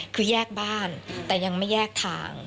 คือแยกบ้านแต่ยังไม่แยกทาง